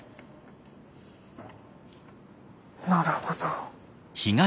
なるほど。